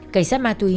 cảnh sát ma túy